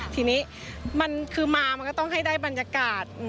ทีนี้มันคือมามันก็ต้องให้ได้บรรยากาศ